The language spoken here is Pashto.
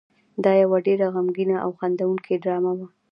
دا یو ډېره غمګینه او خندوونکې ډرامه وه.